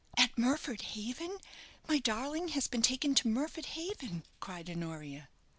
"At Murford Haven! my darling has been taken to Murford Haven!" cried Honoria.